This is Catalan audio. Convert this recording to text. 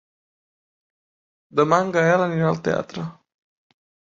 Demà en Gaël anirà al teatre.